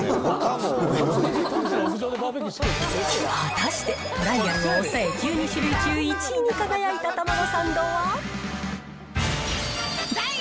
果たして、トライアルを押さえ、１２種類中１位に輝いたたまごサンドは。